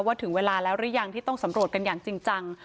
ถึงเวลาแล้วหรือยังที่ต้องสำรวจกันอย่างจริงจัง